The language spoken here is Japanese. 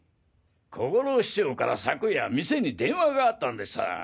小五郎師匠から昨夜店に電話があったんでさァ。